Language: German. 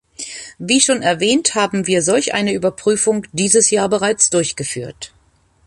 Wie schon erwähnt, haben wir solch eine Überprüfung dieses Jahr bereits durchgeführt.